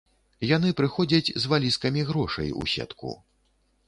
Яны прыходзяць з валізкамі грошай у сетку.